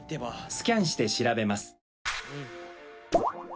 スキャンして調べます。